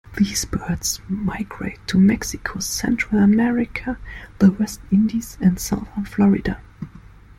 These birds migrate to Mexico, Central America, the West Indies and southern Florida.